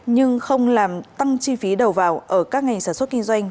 nhưng không làm tăng chi phí đầu vào ở các ngành sản xuất kinh doanh